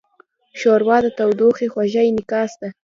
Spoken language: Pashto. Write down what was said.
ښوروا د تودوخې خوږه انعکاس ده.